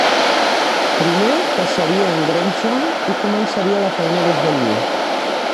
Primer, caçaria en Gregson i començaria la feina des d'allí.